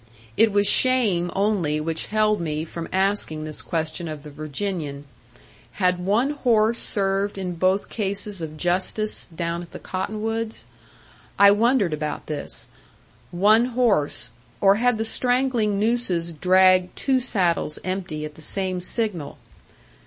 It was shame only which held me from asking this question of the Virginian: Had one horse served in both cases of Justice down at the cottonwoods? I wondered about this. One horse or had the strangling nooses dragged two saddles empty at the same signal?